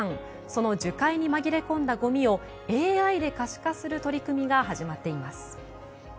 その樹海にまぎれ込んだゴミをＡＩで可視化する取り組みが始まっています。